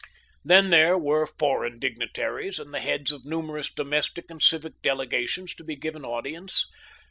Then there were foreign dignitaries, and the heads of numerous domestic and civic delegations to be given audience.